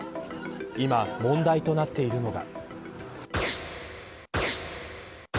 今、問題となっているのが。